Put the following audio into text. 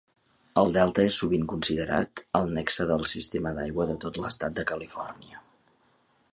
El Delta és sovint considerat el nexe del sistema d'aigua de tot l'estat de Califòrnia.